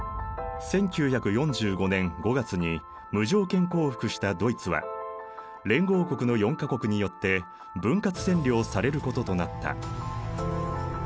１９４５年５月に無条件降伏したドイツは連合国の４か国によって分割占領されることとなった。